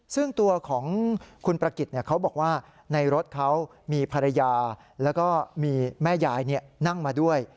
ซึ่งตัวของคุณประกิจเขาบอกว่าในรถเขามีภรรยาแล้วก็มีแม่ยายนั่งมาด้วย